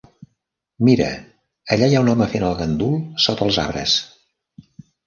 Mira, allà hi ha un home fent el gandul sota els arbres.